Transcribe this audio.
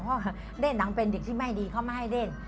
เพราะเล่นหนังเป็นเด็กที่ไม่ดีเขาไม่ให้เล่น